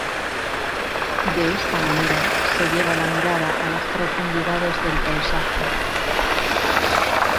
De esta manera se lleva la mirada a las profundidades del paisaje.